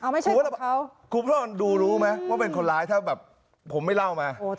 ไม่ใช่ของเขา